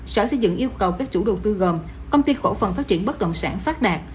sở xây dựng yêu cầu các chủ đầu tư gồm công ty cổ phần phát triển bất động sản phát đạt